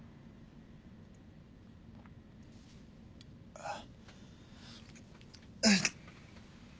あっ。